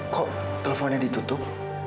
kok telponnya ditutup